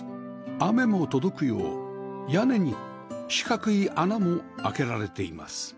雨も届くよう屋根に四角い穴も開けられています